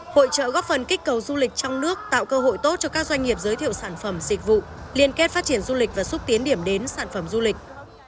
hội trợ góp phần kích cầu du lịch trong nước tạo cơ hội tốt cho các doanh nghiệp giới thiệu sản phẩm dịch vụ liên kết phát triển du lịch và xúc tiến điểm đến sản phẩm du lịch